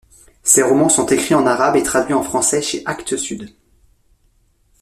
Ses romans sont écrits en arabe et traduits en français chez Actes Sud.